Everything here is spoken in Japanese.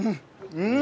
うん！